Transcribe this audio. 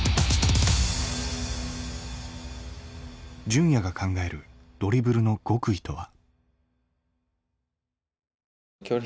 純也が考えるドリブルの“極意”とは。